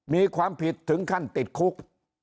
มีความผิดถึงขั้นติดคุก